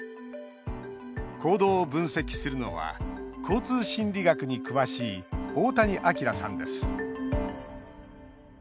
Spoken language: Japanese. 行動を分析するのは交通心理学に詳しい大谷亮さんです。